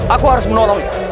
aku harus menolongnya